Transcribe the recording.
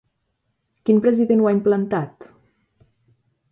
Quin president ho ha implantat?